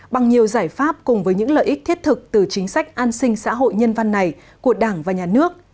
bằng nhiều giải pháp cùng với những lợi ích thiết thực từ chính sách an sinh xã hội nhân văn này của đảng và nhà nước